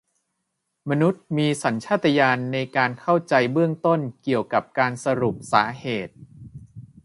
มนุษย์มีสัญชาตญาณในการเข้าใจเบื้องต้นเกี่ยวกับการสรุปสาเหตุ